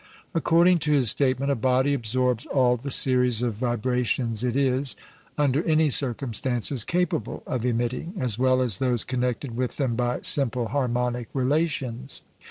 According to his statement, a body absorbs all the series of vibrations it is, under any circumstances, capable of emitting, as well as those connected with them by simple harmonic relations.